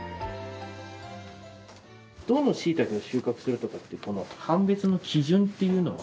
どのしいたけを収穫するとかって判別の基準っていうのは？